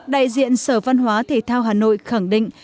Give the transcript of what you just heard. đại diện sở văn hóa thể thao hà nội khẳng định